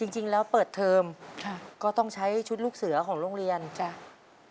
จริงแล้วเปิดเทอมก็ต้องใช้ชุดลูกเสือของโรงเรียนนะครับอเรนนี่ใช่